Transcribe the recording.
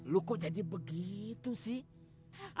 loh kok jadi begitu sih